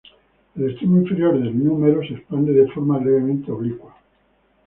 El extremo inferior del húmero se expande de forma levemente oblicua.